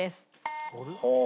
ほう。